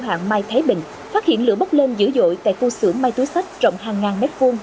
hạng mai thái bình phát hiện lửa bốc lên dữ dội tại khu xưởng mai túi sách rộng hàng ngàn mét vuông